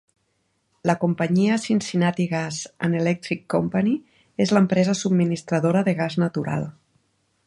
La companyia Cincinnati Gas and Electric Company és l'empresa subministradora de gas natural.